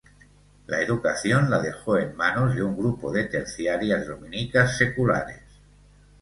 La educación la dejó en manos de un grupo de terciarias dominicas seculares.